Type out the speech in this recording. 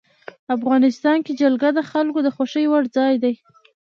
افغانستان کې جلګه د خلکو د خوښې وړ ځای دی.